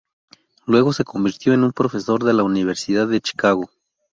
Luego se convirtió en profesor de la Universidad de Chicago.